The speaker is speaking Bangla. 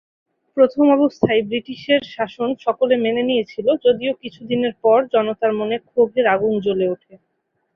প্রথম অবস্থায় ব্রিটিশের শাসন সকলে মেনে নিয়েছিল যদিও কিছু দিনের পর জনতার মনে ক্ষোভের আগুন জ্বলে উঠে।